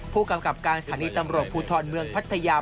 ผู้กำกับการสถานีตำรวจภูทรเมืองพัทยา